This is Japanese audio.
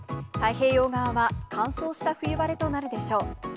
太平洋側は、乾燥した冬晴れとなるでしょう。